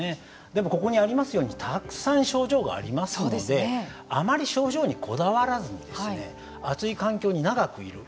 でも、ここにありますようにたくさん症状がありますのであまり症状にこだわらずに暑い環境に長くいる。